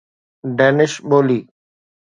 Danish ٻولي